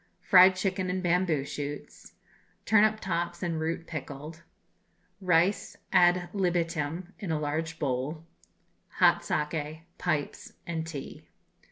Fried Chicken and Bamboo Shoots. Turnip Tops and Root Pickled. Rice ad libitum in a large bowl. Hot Saki, Pipes, and Tea.